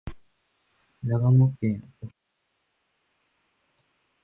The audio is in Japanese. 長野県小谷村